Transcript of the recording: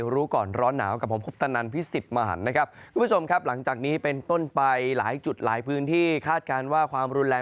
รู้ก่อนร้อนหนาว